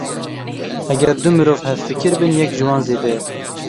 Eger du mirov hevfikir bin, yek ji wan zêde ye.